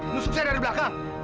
musuh saya dari belakang